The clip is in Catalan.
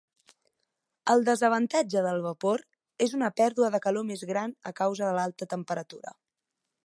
El desavantatge del vapor és una pèrdua de calor més gran a causa de l'alta temperatura.